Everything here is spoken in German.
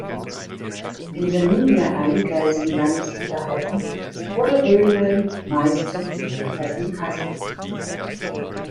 In der nunmehr eingleisigen Landesliga Hessen wurde Rödelheim Meister vor Hessen Kassel.